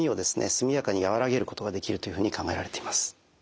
速やかに和らげることができるというふうに考えられています。